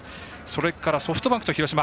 それから、ソフトバンクと広島